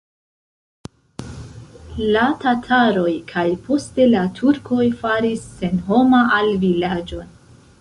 La tataroj kaj poste la turkoj faris senhoma la vilaĝon.